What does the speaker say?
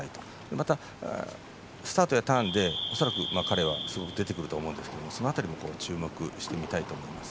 またスタートやターンで恐らく彼はすごく出てくると思うんですけどその辺りも注目して見たいと思います。